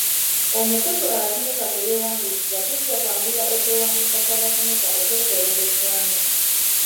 Omukutu abasomesa kwe beewandiisiza gujja kwanguya okwewandiisa kw'abasomesa okwetooloola eggwanga.